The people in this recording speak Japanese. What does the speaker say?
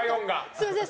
すみません。